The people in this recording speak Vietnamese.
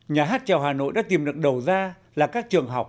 nhà hát trèo hà nội đã tìm được đầu ra là các trường học